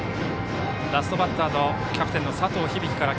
ラストバッターキャプテンの佐藤響から。